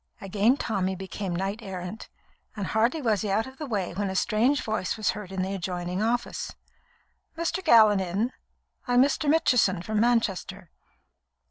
Again Tommy became knight errant, and hardly was he out of the way when a strange voice was heard in the adjoining office. "Mr. Gallon in? I'm Mr. Mitchison, from Manchester."